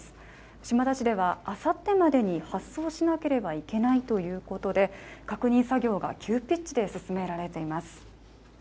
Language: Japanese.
島田市では、明後日までに発送しなければいけないということで、確認作業が急ピッチで進められています。